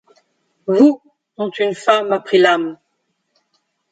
Vous dont une femme a pris l’âme